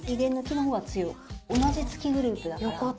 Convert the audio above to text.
同じ月グループだから。